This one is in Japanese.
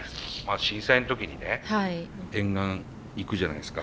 震災の時にね沿岸行くじゃないですか。